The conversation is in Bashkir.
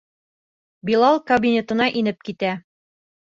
Билал кабинетына инеп китә.